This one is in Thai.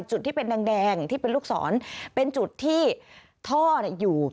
จุดที่เป็นแดงที่เป็นลูกศรเป็นจุดที่ท่ออยู่